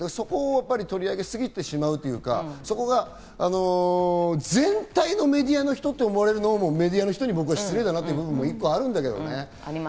そこを取り上げすぎてしまうというか、全体のメディアの人と思われるのもメディアの人に失礼だなという部分も１個あると思うんだけどね。